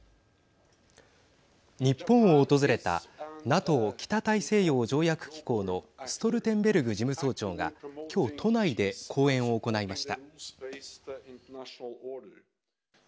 日本を訪れたＮＡＴＯ＝北大西洋条約機構のストルテンベルグ事務総長が今日、都内で講演を行いました。